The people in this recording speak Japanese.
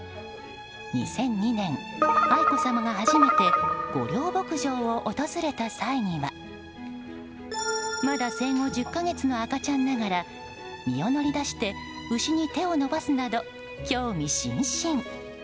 ２００２年、愛子さまが初めて御料牧場を訪れた際にはまだ生後１０か月の赤ちゃんながら身を乗り出して牛に手を伸ばすなど興味津々。